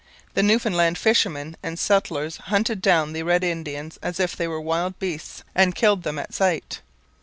The Newfoundland fishermen and settlers hunted down the Red Indians as if they were wild beasts, and killed them at sight.